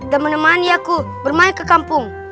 dan menemani aku bermain ke kampung